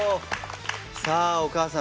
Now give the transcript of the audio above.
さあお母さん